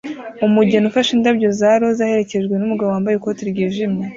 Umugeni ufashe indabyo za roza aherekejwe numugabo wambaye ikoti ryijimye